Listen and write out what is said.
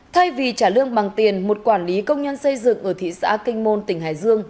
thay vì trả lương bằng tiền một quản lý công nhân xây dựng ở thị xã kinh môn tỉnh hải dương